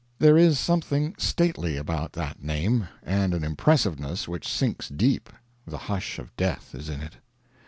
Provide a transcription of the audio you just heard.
There is something stately about that name, and an impressiveness which sinks deep; the hush of death is in it.